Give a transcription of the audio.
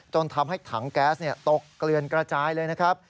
ทำให้ถังแก๊สตกเกลือนกระจายเลยนะครับ